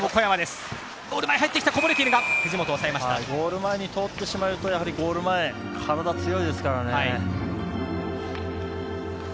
ゴール前に通ってしまうと、ゴール前、体が強いですからね。